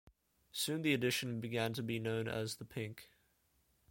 Soon the edition began to be known as "the Pink".